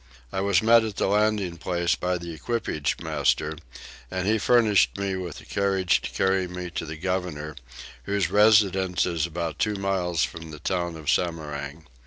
I was met at the landing place by the equipage master, and he furnished me with a carriage to carry me to the governor, whose residence is about two miles from the town of Samarang.